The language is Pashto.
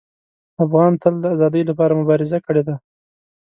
افغان تل د ازادۍ لپاره مبارزه کړې ده.